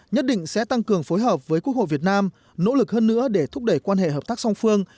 nhất định sẽ tăng cường phối hợp với quốc hội việt nam nỗ lực hơn nữa để thúc đẩy quan hệ hợp tác song phương